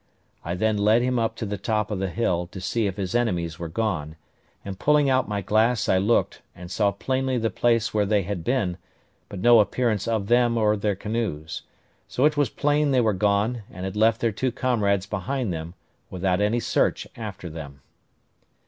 I then led him up to the top of the hill, to see if his enemies were gone; and pulling out my glass I looked, and saw plainly the place where they had been, but no appearance of them or their canoes; so that it was plain they were gone, and had left their two comrades behind them, without any search after them.